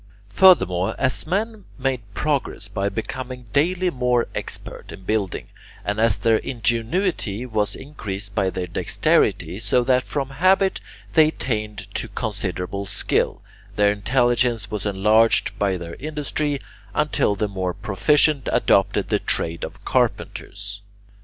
Furthermore, as men made progress by becoming daily more expert in building, and as their ingenuity was increased by their dexterity so that from habit they attained to considerable skill, their intelligence was enlarged by their industry until the more proficient adopted the trade of carpenters.